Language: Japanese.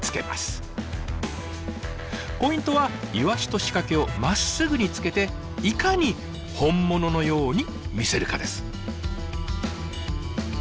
ポイントはイワシと仕掛けをまっすぐに付けていかに本物のように見せるかです。